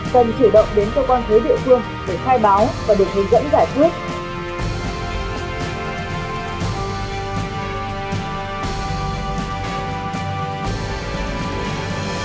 cần chủ động đến cơ quan thuế địa phương để khai báo và được hướng dẫn giải quyết